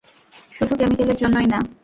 শুধু কেমিকেলের জন্যই না।